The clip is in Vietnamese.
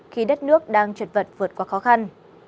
khi đất nước đang trật vật vượt qua khó khăn